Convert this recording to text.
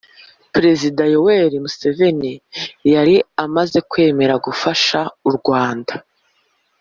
perezida yoweri museveni yari amaze kwemera gufasha u rwanda